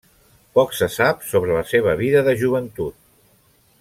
Poc se sap sobre la seva vida de joventut.